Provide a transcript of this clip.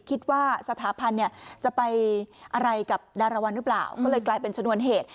สถาบันเนี่ยจะไปอะไรกับดารวรรณหรือเปล่าก็เลยกลายเป็นชนวนเหตุ